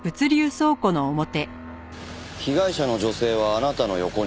被害者の女性はあなたの横に？